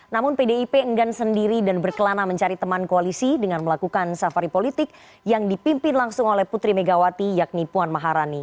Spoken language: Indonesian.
namun pdip enggan sendiri dan berkelana mencari teman koalisi dengan melakukan safari politik yang dipimpin langsung oleh putri megawati yakni puan maharani